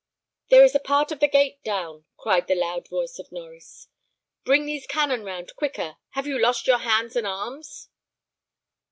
"There is a part of the gate down!" cried the loud voice of Norries. "Bring these cannon round quicker. Have you lost your hands and arms?"